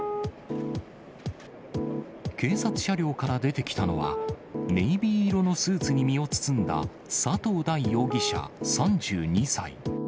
警察車両から出てきたのは、ネイビー色のスーツに身を包んだ、佐藤大容疑者３２歳。